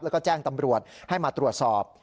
แล้วก็แจ้งตำรวจให้มาตรวจสอบ